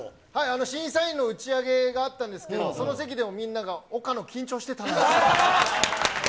審査員の打ち上げがあったんですけど、その席でみんなが、岡野、緊張してたなって。